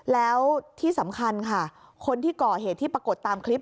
แล้วที่สำคัญค่ะคนที่ก่อเหตุที่ปรากฏตามคลิป